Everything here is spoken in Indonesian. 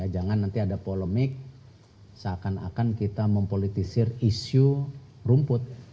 jangan nanti ada polemik seakan akan kita mempolitisir isu rumput